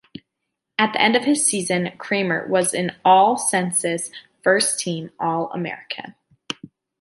At the end of the season, Kramer was an onsensus first-team All-American.